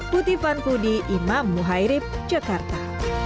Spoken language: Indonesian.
puti fanfudi imam muhairib jakarta